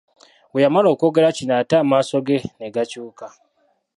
Bwe yamala okwogera kino ate amaaso ge ne gakyuka.